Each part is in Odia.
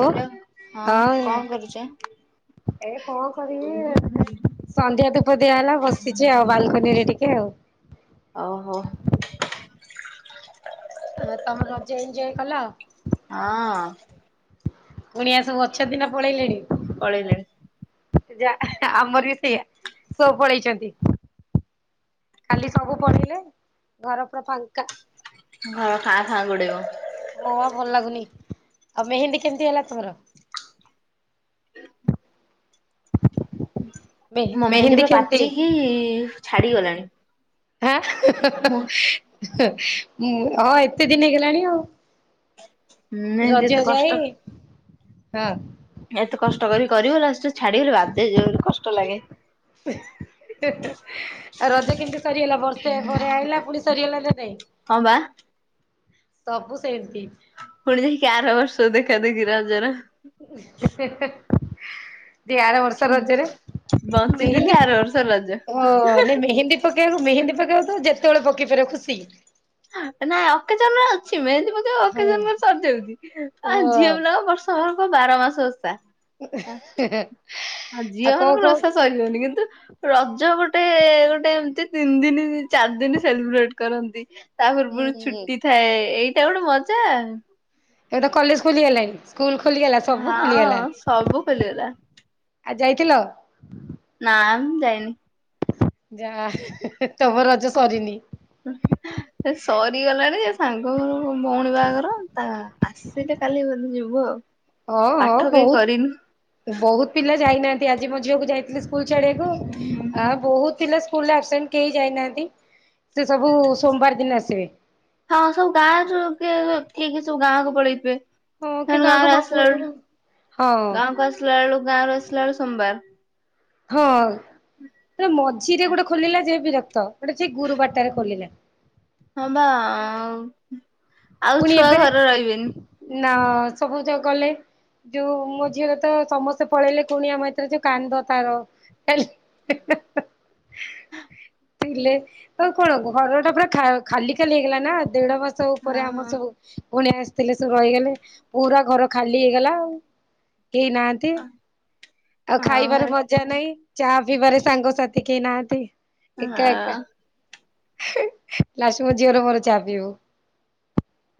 ହ୍ୟାଲୋ ହଁ କଣ କରୁଚ? ଏଇ କଣ କରିବି। ଏବେ ସନ୍ଧ୍ୟା ଧୂପ ଦିଆହେଲା ବସିଚି ଆଉ ବାଲକୋନି ରେ ଟିକେ ଆଉ। ଓହୋ। ଆଉ ତମେ ରଜେ ଏଞ୍ଜୟ କଲ। ହଁ। କୁଣିଆ ସବୁ ଅଚତି ନା ସବୁ ପଳେଇଲେଣି? ପଳେଇଲେଣି ଯା ଆମର ବି ସେଇଆା ସ ପଳେଇଛନ୍ତି। ଖାଲି ସବୁ ପଡିଲେ ଘର ପୁରା ଫାଙ୍କା ଘର ଖାଁ ଖାଁ ଗୋଡିବ ହଁ ଆଉ ଭଲ ଲାଗୁନି ଆଉ ମେହେନ୍ଦୀ କେମିତି ହେଲା ତମର? ମେ ମୋ ମେହେନ୍ଦି ମେହେନ୍ଦୀ ପୁଟା କେମିତି? ପାଚିକି ଛାଡିଗଲାଣି। ମୁଁ ହଁ ଏତେ ଦିନ ହେଇଗଲାଣି ଆଉ ମେହେନ୍ଦୀ ରଜ ଏତେ କଷ୍ଟ ଯାଇ ହଁ ଏତେ କଷ୍ଟ କରି କରିବୁ ଲାଷ୍ଟ ଚ୍ଛାଡ଼ି ଗଲେ ବାଦ ଯୋଉ କଷ୍ଟ ଲାଗେ ହେ ହେ ଆଉ ରଜା କେମିତି ସରିଗଲା ବର୍ଷେ ପରେ ଆଇିଲା ପୁଣି ସରିଗଲା ନ ନାଇ ହଁ ବା ସବୁ ସେମତି ପୁଣି ଯାଇକି ଆର ବର୍ଷ ଦେଖା ଦେେଖି ରଜର ଆର ବର୍ଷ ରଜରେ ବଞ୍ଚିଥିଲେ ମେହେନ୍ଦୀ ଆର ବର୍ଷ ରଜ। ଅ ମେହେନ୍ଦୀ ପକେଇବାକୁ ମେହେନ୍ଦୀ ପକେଇକୁ ଯେତେବେଳେ ପକେଇ ପାରିବ ଖୁସି ନାଇଁ ଅକଜନ ରେ ଅଛି ମେହେନ୍ଦୀ ପକେଇବ ହଁ ଆକେଜନ ସରିଯାଉଛି ଆଉ ଝିଅ ପିଲା ବର୍ଷ ତମର କ ବାର ମାସ ଓଷା ହେହେ ଆଉ ଜିଅ ମାନଙ୍କର ଓସା ସରିବନିି କିନ୍ତୁ ରଜ ଗୋଟେ ଗୋଟେ ଏମତି ତିନି ଦିନ ଚାରି ଦିନ ସେଲିବ୍ରେଟ କରନ୍ତି। ତା ପୂର୍ବରୁ ହୁଁ। ଛୁଟି ଥାଏ ଏଇଟା ଗୋଟେ ମଜା। ଏ ତ କଲେଜ ଖୋଲିଗଲାଣି ସ୍କୁଲ ଖୋଲିଗଲା ସବୁ ହଁ ଖୋଲିଗଲାଣି ସବୁ ଖୋଲିଗଲା ଆଉ ଯାଇଥିଲ? ନା ମୁ ଯାଇନି। ଯା ତମ ରଜ ସରିନି। ସରିଗଲାଣି ଯେ ସାଙ୍ଗ ଘ ଭଉଣୀ ବାହାଘର ତା ସେଇଟା କାଲି ବଧ ଯିବୁ ଆଉ ହଁ ହଁ ପାଠ କେହି କରିନୁ ବହୁତ ବହୁତ ପିଲା ଯାଇନାହାନ୍ତି ଆଜି ମୋ ଝିଅକୁ ଯାଇଥିଲି ସ୍କୁଲ ଚଛଡିବାକୁ ଆ ବହୁତ ପିଲା ସ୍ଲ ଆବସେଣ୍ଟ କେହି ଯାଇନାହାନ୍ତି ସେ ସବୁ ସୋମବାର ଦିନ ଆସିବେ। ହଁ ସବୁ ଗାଁ ଯ ଠିକ ସବୁ ଗାଁକୁ ପଳେଇଥିବେ। ହଁ କି କ ଗାଁକୁ ମାମୁଁ ଗାଁରେସିଳକୁ ଘରକୁ ହଁ ଗାଁକୁ ଆସିଲା ଆଳୁ ଗାଁରେସିଲ ଆଳୁ ସୋମବାର। ହଁ ମଝିରେ ଗୋଟେ ଖୋଲିଲା ଯେ ବିରକ୍ତ ଗୋଟେ ସେ ଗୁରୁବାରଟରେ ଖୋଲିଲା। ହଁ ବା ଆଉ ପୁଣି ଛୁଆ ଏବେରେ ଘରେ ରହିବେନି। ନା ସବୁଜ ଗଲେ ଯୋଉ ମୋ ଝିଅରେ ତ ସମସ୍ତେ ପଳେଇଲେ କୁଣିଆ ମୈତ୍ର ଯେ କାନ୍ଦ ତାର ହେ ହେ ଥିଲେ ଆଉ କଣ ଘର ଟା ପୁରା ଖାଲି ଖାଲି ହେଇଗଲା ନା ଦେଢ ମାସ ଉପରେ ଆମର ହଁ ସବୁ ପୁଣି ଆସିଥିଲେ ସବୁ ରହିଗଲେ ପୁରା ଘର ଖାଲି ହେଇଗଲା ଆଉ କେହି ନାହା ଆଉ ହଁ ଖାଇବାରେ ଘରେ ମଜା ନାହିଁ ଚାହା ପିଇବାରେ ସାଙ୍ଗସଥି କେହି ନାହାନ୍ତି। ଏକା ଏକା ଲାଷ୍ଟ ମ ଝିଅର ମୋର ଚା ପିଇବୁ।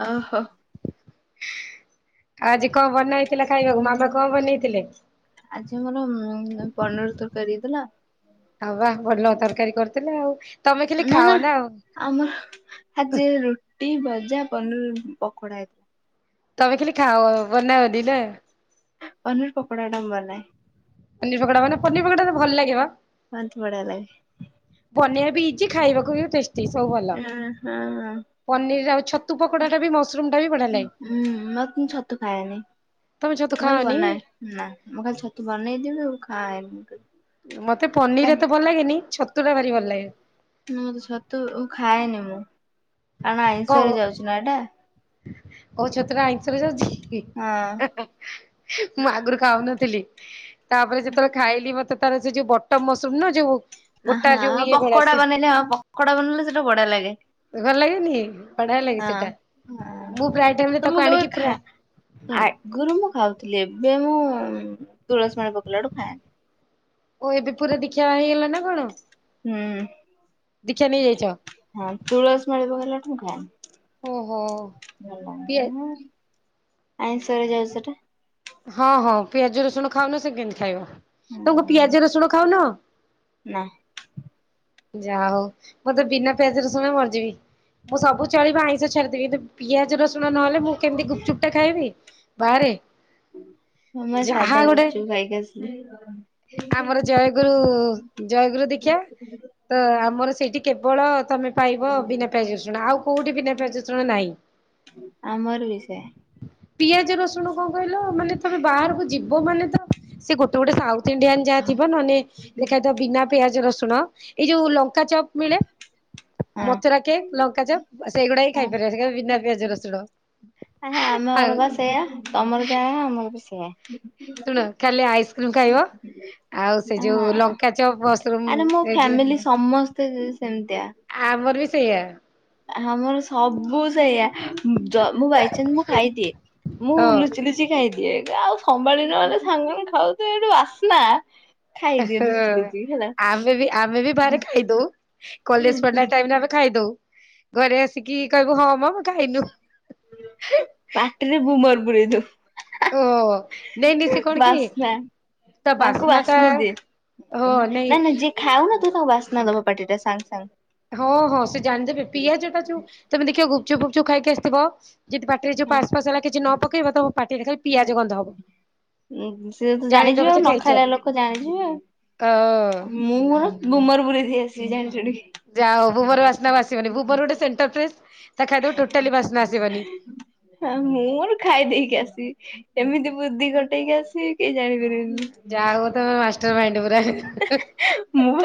ଓହୋ ଆ ଆଜି କଣ ବନେଇଥିଲେ ଖାଇବାକୁ ମାମା କଣ ବନେଇଥିଲେ? ଆଜି ଆମର ପନିର ତରକାରୀ ହେଇଥିଲା। ହବା ଭଲ ତରକାରୀ କରିଥିଲେ ଆଉ। ତମେ ଖାଲି ନା ଖାଅ ନା ଆଉ। ଆମର ଆଜି ରୁଟି ଭଜା ପନିର ପକୋଡା ହେ ତମେ ଖାଲି ଖାଅ ବନାଅନି ନା ପନିର ପକୋଡା ନ ବନାଏ। ପନିର ପକଡା ମାନେ ପନିରଟା ପକୋଡା ଭଲ ଲାଗେ ବା। ଖାଆନ୍ତି ବଢିଆ ଲାଗେ। ବନେଇବା ବା ବି ଇଜି। ଖାଇବାକୁ ବି ଟେଷ୍ଟୀ ସବୁ ଭଲ। ହଁ ପନିର ଆଉ ତୁ ପକଡାଟା ବି ମସ୍ତ ଶ୍ରୁମ୍ ଟା ବି ବଢିଆ ଲାଗେ ହୁଁ ମ ଛତୁ ଖାଏନି ତମେ ମୁଁ ଛତୁ ଖାଲି ଖାଅନି? ବନାଏ। ନା ମୁଁ ଖାଲି ଛତୁ ବନେଇଦେବି ଆଉ ଖାଏନି କିନ୍ତୁ। ମତେ ପନିର ଏତେ ଭଲ ଲାଗେନି। ଛତୁଟା ଭାରି ଭଲ ଲାଗେ। ନାଁ ମତେ ଛତୁ ଖାଏନି ମୁଁ। କାରଣ ଆଇଁଷରେ ଯାଉଛି ନା ଏଇଟା। ଓ ଛତୁଟା ଆଇଁଷରେ ଯାଉଛି କି? ହଁ। ମୁଁ ଆଗରୁ ଖାଉନଥିଲି। ତାପରେ ଯେତେବେଳେ ଖାଇଲି ମତେ ତାର ସେ ଯୋଉ ବଟମ୍ ମସରୁମ ନା ଯୋଉ ଗୋଟା ହଁ ଯୋଉ ଆଉ ଇଏ ଭଳିଆ ପକୋଡା ସେ ବନେଇଲେ ହଁ ପକୋଡା ବନେଇଲେ ସେଟା ବଢିଆ ଲାଗେ। ଭଲ ଲାଗେନି ବଢିଆ ଲାଗେ ହଁ ସେଟା। ହଁ ମୁଁ ପ୍ରାୟ ଟାଇମରେ ତ ମୁଁ ତାକୁ କେବେ ଆଣିକି ଖା ପୁରା ହୁଁ ଆଗରୁ ମୁଁ ଖାଉଥିଲି, ଏବେ ମୁଁ ତୁଳସୀମାଳା ପକେଇେଲା ଠୁ ଖାଏନି। ଓ ଏବେ ପୁରା ଦିଖ୍ୟା ହେଇଗଲା ନା କଣ? ହୁଁ, ଦୀକ୍ଷା ନେଇଯାଇଛ ହଁ ତୁଳସୀ ମାଳି ପକେଇଲାଠୁ ମୁଁ ଖାଏନି। ଓହୋ ପିଆ ଆଇଁଷ ହେଇଯାଉଛି ସେଟା। ହଁ, ହଁ, ପିଆଜ ରସୁଣ ଖାଉନ ସେ କେମିତି ଖାଇବ। ତମେ କଣ ହଁ ପିଆଜ ରସୁଣ ଖାଉନ? ନା ଯହାହୋଉ। ମୁ ତ ବିନା ପିଆଜ ରସୁଣ ରେ ମରିଜିବି। ମୁଁ ସବୁ ଚଳିବ ଆଇଁଷ ଛାଡ଼ିଦେବି କିନ୍ତୁ ପିଆଜ ରସୁଣ ନହେଲେ ମୁଁ କେମିତି ଗୁପ୍‌ଚୁପ ଟା ଖାଇବି ବାହାରେ? ମୁଁ ବା ଯାହା ସାଧା ଗୋଟେ ଗୁପୁଚୁପ୍ ଖାଇକି ଆସିଲି। ଗୁରୁ ଜୟଗୁରୁ ଦିଖ୍ୟା। ତ ଆମର ସେଇଠି କେବଳ ତମେ ପାଇବ ବିନା ପିଆଜ ରଷୁଣ। ଆଉ କୋଉଠି ବିନା ପିଆଜ ରଷୁଣ ନାହିଁ! ଆମର ବି ସେଇଆ। ପିଆଜ ରସୁଣ କଣ କହିଲ? ମାନେ ତମେ ବାହାରକୁ ଯିବ ମାନେ ତ ସେ ଗୋଟେ ଗୋଟେ ସାଉଥ ଇଣ୍ଡିଆନ୍ ଯାହା ଥିବ ନହେଲେ ସେଇଟା ଯୋଉ ବିନା ପିଆଜ ରସୁଣ ଏଇ ଯୋଉ ଲଙ୍କା ଚପ ମିଳେ ହଁ। ମଥୁରା କେକ୍ ଲଙ୍କାଚପ ସେଇଗୁଡାକ ହିଁ ଖାଇପାରିବ ସେ ଖାଲି ବିନା ପିଆଜ ରସୁଣ। ଆ୍ଞ୍ଜା, ଆମ ଆଉ ଘର ବା ସେଇୟଆ ତମର ଯାହା ଆମର ବି ସେଇୟା। ଶୁଣ ଖାଲି ଆଇସ୍କ୍ରିମ ଖାଇବ ଆଉ ସେ ଯୋଉ ହଁ। ଲଙ୍କା ଚପ ମସରୁମ୍ ଆରେ ମୋ ଏ ଯେଉଁ ଫ୍ୟାମିଲି ସମସ୍ତେ ସେମିତିଆ ଆମର ବି ସେଇଆ। ଆମର ସବୁ ସେଇଆ ଦ ମୁଁ ବାଇଚାନ୍ସ ମୁଁ ଖାଇଦିଏ ମୁଁ ହଁ। ଲୁଚି ଲୁଚି କି ଖାଇଦିଏ ଆଉ ସମ୍ଭଳି ନହେଲେ ସାଙ୍ଗମାନେ ଖାଉଥିବେ ତ ଏ ଯୋଉଁ ବାସ୍ନା ଖାଇଦିଏ ହୁଁ, ଲୁଚି ଲୁଚି ହେଲା ଆମେ ବି ଆମେ ବାହାରେ ଖାଇଦଉ। କଲେଜ ପଢିଲା ଟାଇମ୍ ରେ ଆମେ ଖାଇଦଉ ଘରେ ଆସିକି କହିବୁ ହଁ ମ ଖାଇନୁ। ପାଟିରେ ବୁମର ପୁୁରେଇ ଦଉ। ଓ ନାଇଁ ନାଇଁ ସେ କଣ କି ବାସ୍ନା। ତା ତାଙ୍କୁ ଟା ବାସ୍ନା ଦିଏ। ହଁ ନା ନାଇଁ ନା ନା ଜିଏ ଖାଉ ନା ନଥିବୁ ତାଙ୍କୁ ବାସ୍ନା ଦବ ପାଟି ଟା ସାଙ୍ଗ ସାଙ୍ଗେ। ହଁ, ହଁ, ସେ ଜାଣିଦେବେ ପିଆଜ ଟା ଯୋଉ ତମେ ଦେଖିବ ଗୁପଚୁପ ଫୁଫୁଚୁପ ଖାଇକି ଆସିଥିବ ଯଦି ପାଟିରେ ଯେଉ ପାସ୍ ଫାସ ହେଲା କିଛି ନ ପକେଇବା ତମ ପାଟିଟା ଖାଲି ପିଆଜ ଗନ୍ଧ ହବ। ସିଏ ତ ଜାଣିଦବ ଜାଣିଯିବେ ଆଉ ଯେ ନ ଖାଇଛ ଖାଇଲା ଲୋକ ଜାଣିଯିବେ ଅ ଆଉ। ମୁଁ ମୋର ବୁମର ପୁରେଇଦଇକି ଆସିବି ଜାଣିଚ ଚଟୀ। ଯାହା ହଉ ବୁମର ବାସ୍ନା ଆସିବନି ବୁମର ଗୋଟେ ସେଣ୍ଟର ଫ୍ରେସ୍ ତାକୁ ଖାଇଦବ ଜମାରୁ ବାସ୍ନା ଆସିବନି। ହଁ ମୁଁ ମୋର ଖାଇଦେଇକି ଆସିବି ଏମିତି ବୁଦ୍ଧି ଘଟେଇକି ଆସିବି କେହି ଜାଣିପାରିବେନି। ଯାହାହେଉ ତମେ ମାଷ୍ଟର ମାଇଣ୍ଡ ପୁରା। ମୁଁ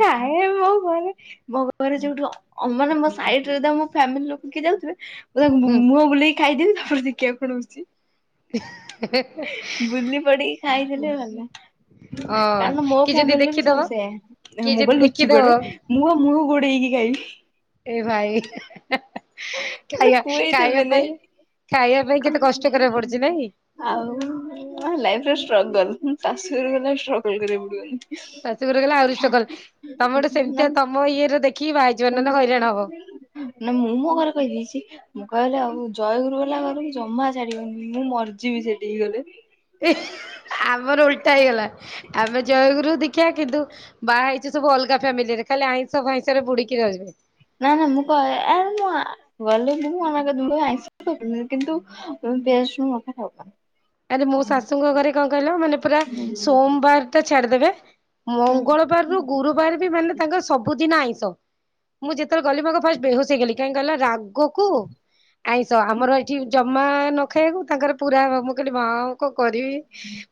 ଖାଏ ମୋ ଘରେ। ମୋ ଘରେ ଯୋଉଠୁ ମାନେ ମୋ ସାଇଡରେ ମୋ ଫ୍ୟାମିଲି ଲୋକ କିଏ ଯାଉଥିବେ ତ ହୁଁ। ମୁହଁ ବୁଲେଇି ଖାଇଦେବି ତାପରେ ଦେଖିବା କଣ ହଉଛି। [unintelligible] ବୁଲି ପଡିକି ଖାଇଦେଲେ ଗଲା ହଁ କାରଣ ମୋ କିଏ ଯଦି ଫ୍ୟାମିଲି ବି ଦେଖିଦବ ସବୁ ସେୟା। କିଏ ମୁଁ ପା ଯଦି ଲୁଚି ଦେଖିଦବ ପଡେ ମୁଁ ମୁଁହ ଘୋଡେଇକି ଖାଇବି। ଏ ଭାଇ। ମାନେ ଖାଇବା ଖୁଏଇଦେବେ ଖାଇବା ନାଇଁ। ପାଇଁ ଖାଇବା ପାଇଁ କେତେ କଷ୍ଟ କରିବାକୁ ପଡୁଛି ନାଇଁ। ଆଉ ଲାଇଫ ଷ୍ଟ୍ରଗଲ ଶାଶୁଘର ଗଲେ ଆଉ ଷ୍ଟ୍ରଗଲ କରିବାକୁ ପଡିବନି। ଶାଶୁଘର ଗଲେ ଆଉରି ଷ୍ଟ୍ରଗଲ ତମେ ଗୋଟେ ପଡିବନି। ସେମିତିଆ ତମ ଇଏରେ ଦେଖିକି ବାହା ହେଇଯିବ ନହେଲେ ହଇରାଣ ହବ। [unintelligible] ନା ମୁଁ ମୋ ଘରେ କହିଦେଇଛି ମୁଁ କହିଲି ଆଉ ଜୟଗୁରୁ ଗଲା ଘରକୁ ଜମା ଛାଡିବନି ମୁଁ ମରଯିବି ସେଠିକି ଗଲେ। ଆମର ଓଲଟା ହେଇଗଲା ଆମେ ଜୟଗୁରୁ ଦିକ୍ଷା କିନ୍ତୁ ବାହା ହେଇଛି ସବୁ ଅଲଗା ଫ୍ୟାମିଲିରେ ଖାଲି ଆଇଁଷ ହିସାବରେ ବୁଡିକି ରହିବେ। ନା ନା ମୁଁ କହ [unintelligible] ଗଲେ ମୁୁ [unintelligible] କିନ୍ତୁ [unintelligible] ଆରେ ମୋ ଶାଶୁଙ୍କ ଘରେ କଣ କହିଲ ମାନେ ପୁରା ସୋମବାର ଟା ଛାଡିଦେବେ ଖାଇବନି ମଙ୍ଗଳବାରରୁୁ ଗୁରୁବାର ବି ମାନେ ତାଙ୍କର ସବୁଦିନ ଆଇଁଷ। ମୁଁ ଯେତେବେଳେ ଗଲି ମୁଁ ଆଗ ଫାଷ୍ଟ ବେହୋସ ହେଇଗଲି କାହିଁ କହିଲ ରାଗକୁ ଆଇଷ ଆମର ଏଠି ଜମା ନ ଖାଇବାକୁ ତାଙ୍କର ପୁରା ମୁଁ କହିଲି ମା ମୁଁ କଣ କରିବି।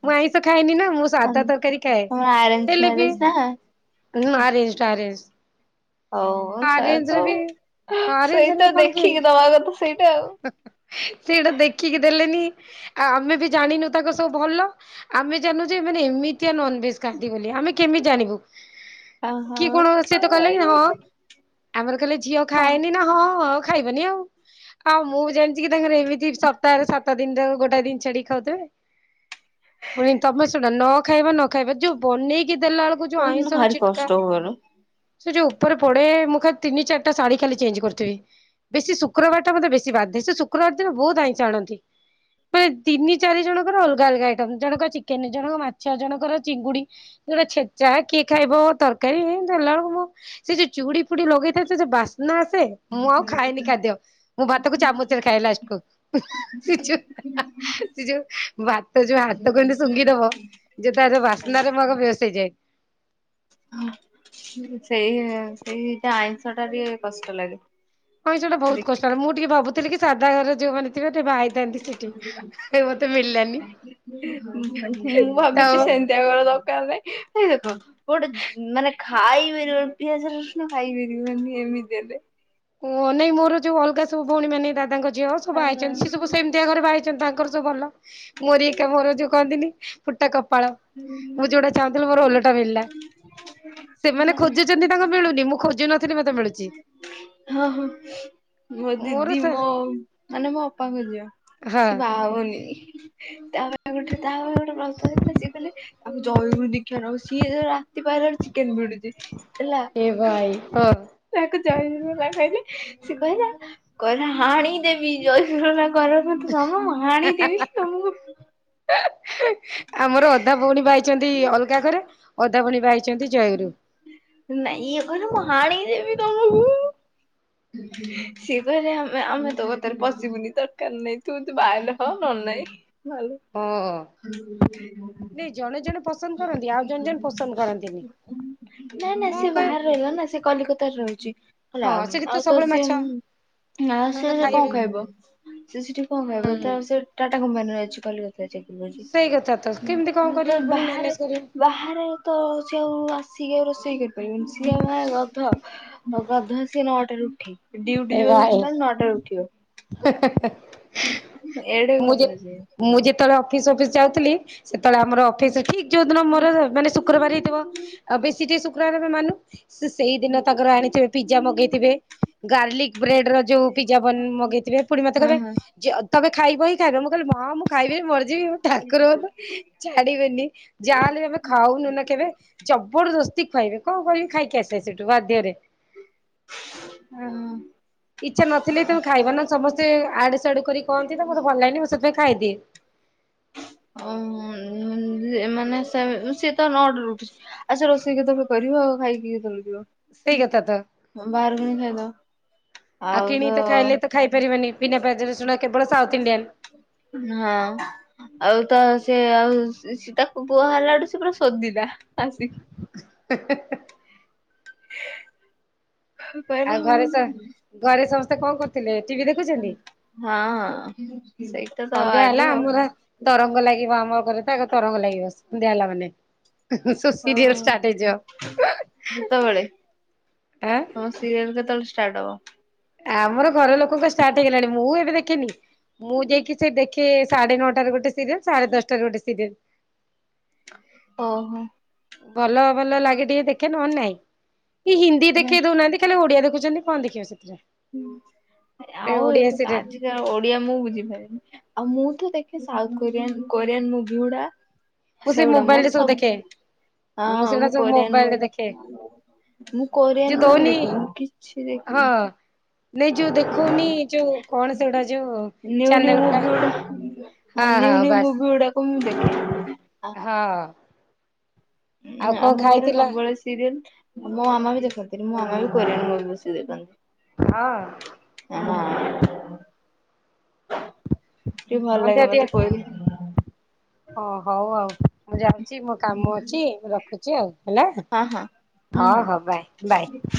ମୁଁ ଆଇଁଷ ଖାଏନି ନା ମୁଁ ସାଧା ତରକାରୀ ଖାଏ ତମର ଆରେଞ୍ଜ ହେଲେ ବି ମ୍ୟାରେଜ ନା ହଁ ଆରେଞଜ ଆରେଞଜ। ହଉ ସେ ଆରଞଜର ତ ବି ଆରଞଜ ସେଇ ହେଲେ ତ କଣ କି ଦେଖିକି ଦବା କଥା ସେଇଟା ସେଇଟା ଦେଖିକି ଦେଲେନି ଆ ଆମେ ବି ଜାଣିନୁ ତାଙ୍କ ସବୁ ଭଲ ଆମେ ଜାଣୁ ଯେ ଏମାନେ ଏମିତିଆ ନନଭେଜ ଖାଆନ୍ତି ବୋଲି ଆମେ କେମିତି ଜାଣିବୁ? ଆଉ କି ହଁ କଣ ସେ ହଁ ତ କଲେ କି ହ ଭାଇ ଆମର କହିଲେ ଝିଅ ଖାଏନି ନା ହଁ ହଁ ଖାଇବନି ଆଉ। ଆଉ ମୁଁ ବି ଜାଣିଛି କି ତାଙ୍କର ଏମିତି ସପ୍ତାହରେ ସାତ ଦିନରେ ଗୋଟ ଟେ ଦିନ ଛାଡ଼ି ଖାଉଥିବେ। ପୁଣି ତମେ ଶୁଣ ନ ଖାଇବା ନ ଖାଇବା ଯୋଉ ବନେଇକି ଦେଲା ବେଳକୁ ଯୋଉ ଆଇଁଷର ଭାରି ଛିଟକା। କଷ୍ଟ ହୁଏଲୋ ସେ ଯୋଉ ଉପରେ ପଡେ ମୁଁ ଖାଲି ତିନି ଚାରିଟା ଶାଢୀ ଖାଲି ଚେଞ୍ଜ କରିଥିବି। ବେଶୀ ଶୁକ୍ରବାରଟା ମତେ ବେଶୀ ବାଧେ ସେ ଶୁକ୍ରବାର ଦିନ ବହୁତ ଆଇଁଷ ଆଣନ୍ତି। ଫେରେ ତିନି ଚାରି ଜଣଙ୍କର ଅଲଗା ଅଲଗା ଆଇଟମ୍ ଜଣଙ୍କ ଚିକେନ ଜଣକ ମାଛ ଜଣଙ୍କର ଚିଙ୍ଗୁଡି। ଗୋଟା ଛେଚା କିଏ ଖାଇବ ତରକାରୀ ଦେରଲା ବେଳକୁ ମୁଁ ସେ ଯୋଉ ଚୁଡି ଫୁଡି ଲଗେଇଥାଏ ସେ ଯଉ ବାସ୍ନା ଆସେ। ମୁଁ ଆଉ ଖାଇଏନି ଖାଦ୍ୟ ମୁଁ ଭାତକୁ ଚାମଚରେ ଖାଏ ଲାଷ୍ଟକୁ ସେ ଯୋଉ ସେ ଯୋଉ ଭାତ ଯୋଉ ହାତକୁ ଏମତି ଶୁଙ୍ଘିଦବ ଯେ ତାର ବାସ୍ନାରେ ମୁଁ ଆଗ ବେହୋସ ହେଇଯାଏ। ସେଇ ସେଇଟା ଆଇଁଷ ଟା ଟିକେ କଷ୍ଟ ଲାଗେ। ଆଇଁଷ ଟା ବହୁତ ଦେଖ କଷ୍ଟ ହେଲା ମୁଁ ଟିକେ ଭାବୁଥିଲି କି ସାଧା ଘରେ ଯୋଉମାନେ [unintelligible] ବାହା ହେଇଥାନ୍ତି ସେଠି ମତେ ମିଳିଲାନି। ମୁଁ ତ ଭାବିଛି ସେମତିଆ ଘର ଦରକାର ନାହିଁ ଭାଇ ଦେଖ। ଗୋଟେ ମାନେ ଖାଇପାରିବ ପିଆଜ ରସୁଣ ଖାଇପାରିବ ଏମିତି ହେଲେ। କୁହାନାଇଁ ମୋର ଯୋଉ ଅଲଗା ସବୁ ଭଉଣୀ ମାନେ ଦାଙ୍କ ଝିଅ ସବୁ ହଁ ଆଇଛନ୍ତି ସେ ସବୁ ସେମି ଘରେ ବା ହେଇଛନ୍ତି ତାଙ୍କର ସବୁ ଭଲ ମୋରି ଏକ ମୋର ଯୋଉ କହନ୍ତିନି ଫୁଟା କପାଳ। ମୁଁ ଯୋଉଟା ଚାହୁଁଥିଲି ମୋର ଓଲଟା ମିଳିଲା ସେମାନେ ଖୋଜୁଛନ୍ତି ତାଙ୍କୁ ମିଳୁନି ମୁଁ ଖୋଜୁନଥିଲ ମତେ ମିଳୁଛି। ଓ ହୋ। ମୋ ମୋର ଦିଦି ମୋ ମାନେ ମୋ ଅପାଙ୍କ ଝିଅ ହଁ ସେ ବାହା ହଉନି। ତା ପାଇଁ ଗୋଟେ ତା ପାଇଁ ଗୋଟେ ପ୍ରସ୍ତାବ ହେଇଥିଲା ସିଏ କହିଲେ ଆଉ ଜୟଗୁରୁ ଦିକ୍ଷା ନବ ଆଉ ସିଏ ରାତି ପହିଲେ ଚିକେନ୍‌ ଭିଡୁଛି। ହେଲା ଏ ଭାଇ ହଁ। ତାକୁ ଜୟଲା କହିଲେ ସେ କହିଲା। କ ହାଣିଦେବି [unintelligible] ତମ ହାଣିଦେବି ତମକୁ। ଆମର ଅଧା ଭଉଣୀ ଭାଇଛନ୍ତି ଅଲଗା ଘରେ ଅଧା ଭଉଣୀ ଭାଇ ଛନ୍ତି ଜୟଗୁରୁ। ନାଇଁ ଇଏ କହିଲେ ମୁଁ ହଣି ଦେବି ତମକୁ। ସିଏ କହିଲେ ଆମେ ଆମେ ତୋ କଥାରେ ପଶିବୁନି ଦରକାର ନାହିଁ ତୁ ତ ବାହାହେଲେ ହ ନଲେ ନାହିଁ। ହଁ ଭଲ। ନାଇଁ ଜଣେ ଜଣେ ପସନ୍ଦ କରନ୍ତି ଆଉ ଜଣେ ଜଣ ପସନ୍ଦ କରନ୍ତିନି। ନାଇଁ ନାଇଁ ମୁଁ ସେ କହେ ବାହାରେ ରହିଲ ନା ସେ କଲିକତାରେ ରହୁଛି। ହେଲା ହଁ ସେଠି ଆଉ ତ ସବୁବେଳେ ସିଏ ମାଛ ନା ତାଙ୍କର ସେ ତ ସେ କଣ ଖାଇବେ। ଖାଇବ ସେ ସେଠି କଣ ଖାଇବ ତ ହୁଁ ସେ ଟାଟା କମ୍ପାନୀରେ ଅଛି କଲିକତା। ସେଇ କଥା ତ କେମିତି କଣ ତ କରିବେ ପୁଣି ବାହାରେ ମ୍ୟାନେଜ କରିବ। ବାହାରେ ତ ଆଉ ଆସିକି ଆଉ ରୋଷେଇ କରିପାରିବ ସିଏ ମା ଗଧ। ହ ଗଧ ସିଏ ନଅଟାରେ ଉଠିବ ଡ୍ୟୁଟି ଯିବ ଦଶଟାରୁ ନଅଟାରେ ଉଠିବ। ହେ ହେ ହେ। ଏଡେ ଗଧ ସିଏ। ମୁଁ ଯେତେବେଳେ ଅଫିସ ବଫିସ୍ ଯାଉଥିଲି ସେତେବେଳେ ଆମର ଅଫିସ ଠିକ୍ ଯୋଉଦିନ ମୋର ମାନେ ଶୁକ୍ରବାର ହେଇଥିବ ଆଉ ବେଶୀ ଟେ ଶୁକ୍ରବାର ର ମାନୁ। ସେ ସେଇ ଦିନ ତାଙ୍କର ଆଣିଥିବେ ପିଜା ମଗେଇଥିବେ। ଗାର୍ଲିକ ବ୍ରେଡର ଯୋଉ ପିଜା ମଗେଇଥିବେ ପୁଣି ମତେ କହିବେ ହଁ ତମେ ଖାଇବ ହିଁ ଖାଇବ ମୁଁ କହିଲି ମୁଁ ମା ଖାଇବିନି ମରଯିବି ହଉ ଠାକୁର ହ ଛାଡିବେନି। ଯାହା ହେଲେ ଆମେ ଖାଉନୁ ନା କେବେ। ଜବରଦସ୍ତି ଖୁଆଇବେ କଣ କରିବି ଖାଇକି ଆସିବି ସେଠୁ ବାଧ୍ୟରେ। ହଁ। ଇଚ୍ଛା ନଥିଲେ ତମେ ଖାଇବା ନ ସମସ୍ତେ ଆଡୁ ଆଡୁ କରି କନ୍ତି ତ ମତେ ଭଲ ଲାଗନି ମୁଁ ସେଥିପାଇଁ ଖାଇଦିଏ। ଓ ମାନେ ସିଏ ତ ନଅଟାରୁ ଉଠୁଛି। ଆଉ ସେ ରୋଷେଇ କେତବେଳେ କରିବ ଆଉ ଖାଇକି କେତେବେଳେ ସେଇ କଥା ତ ଯିବ। ବାହାରୁ କିଣି ଖାଇଦବ ଆଉ ତ ଖାଇପାରିବେନି ବିନା ପିନାଜ ରଶୁଣ କେବଳ ସାଉଥ ଇଣ୍ଡିଆନ୍। ହଁ। ଆଉ ତ ସେ ଆଉ ତାକୁ କୁହା ହେଲାଠୁ ସିଏ ପୁରା ସୋଦିଲା ଆସି। ହେ ହେ। ହ ଆଉ ଘରେ, ଘରେ ସମସ୍ତେ କଣ କରୁଥିଲେ ଟିଭି ଦେଖୁଛନ୍ତି? ହଁ ସେଇ। ସନ୍ଧ୍ୟା ହେଲା ଆମର ତରଙ୍ଗ ଲାଗିବ ଆମ ଘରେ ତ ତରଙ୍ଗ ଲାଗିବ ସନ୍ଧ୍ୟା ହେଲା ମାନେ। ସବୁ ସିରିଏଲ ହଉ ଷ୍ଟ୍ରାଟ ହେଇଯିବ। କେତେବେଳେ ହଁ। ତମ ସିରିଏଲ କେତେବେଳେ ଷ୍ଟାର୍ଟ ହବ? ଆମର ଘରଲୋକଙ୍କ ଷ୍ଟାର୍ଟ ହେଇଗଲାଣି, ମୁଁ ଏବେ ଦେଖିନି। ମୁଁ ଯାଇକି ସେ ଦେଖ ସାଢେ ନଅଟାରେ ଗୋଟେ ସିରିଏଲ ସାଢେ ଦଶଟାରେ ଗୋଟେ ସିରିଏଲ। ଓହୋ! ଭଲ ଭଲ ଲାଗେ ଟିକେ ଦେଖେ ନହେଲେ ନାଇଁ। କି ହିନ୍ଦୀ ଦେଖେଇ ଦଉନାହାନ୍ତି। ସେ ଖାଲି ଓଡିଆ ଦେଖୁଛନ୍ତି। କଣ ଦେଖିବ ସେଥିରେ? ହୁଁ ଆଉ ଓଡିଆ ଏ ସିରିଏଲ ଆଜି ଓଡିଆ ମୁଁ ବୁଝିପାରିନି ଆଉ ମୁଁ ତ ଦେଖେ ସାଉଥ କୋରିଆନ କୋରିଆନ ମୁଭି ଗୁଡା। ମୁଁ ସେ ସେଗୁଡା ମୋବାଇଲରେ ମୋର ଦେଖେ ସବୁ ହଁ ସେଗୁଡା ମୁଁ ସବୁ କୋରିଆନ ମୋବାଇଲରେ ଦେଖେ ମୁଭି ମୁଁ ଯିଏ କୋରିଆନ ମୁଭି ଦଉନି ଦେଖିବି ମୁଁ କିଛି ହଁ ଦେଖିବି ନାଇଁ ଯୋଉ ଦେଖଉନି ଯୋଉ କଣ ସେଗୁଡା ଯୋଉ ନିଉ ନିଉ ଚ୍ୟାନେଲ ମୁଭି ଗୁଡା। ହଁ ନିଉ ନିଉ ମୁ ମ୍ ଦେଖେ ହଁ ଆଉ କଣ ଆମ ଘରେ ଖାଇଥିଲ? ସବୁବେଳେ ସିରିଏଲ। ମୋ ମାମା ବି ଦେଖନ୍ତି। ମୋ ମାମା ବି କୋରିଆନ ମୁଭି ବେଶୀ ଦେଖନ୍ତି। ହଁ ହଁ ଟିକେ ଭଲ ଲାଗେ ସନ୍ଧ୍ୟା ଦିଏ ମତେ କହି ହଁ ହଉ ଆଉ ମୁଁ ଯାଉଛି ମୋ କାମ ଅଛି ରଖୁଛି ଆଉ ହେଲା। ହଁ ହଁ ହୁଁ ହଁ ହୁଁ। ହଁ ବାଇ ବାଇ।